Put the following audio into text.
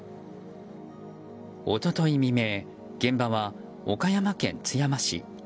一昨日未明、現場は岡山県津山市。